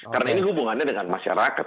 karena ini hubungannya dengan masyarakat